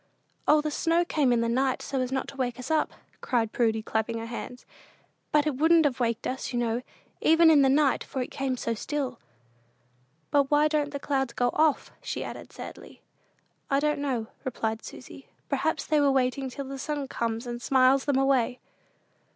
"O, the snow came in the night, so not to wake us up," cried Prudy, clapping her hands; "but it wouldn't have waked us, you know, even in the night, for it came so still." "But why don't the clouds go off?" she added, sadly. "I don't know," replied Susy; "perhaps they are waiting till the sun comes and smiles them away."